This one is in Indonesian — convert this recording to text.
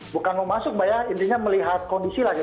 bukan mau masuk mbak ya intinya melihat kondisi lah gitu ya